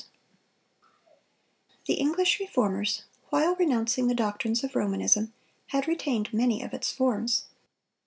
] The English Reformers, while renouncing the doctrines of Romanism, had retained many of its forms.